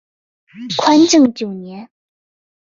宽政九年。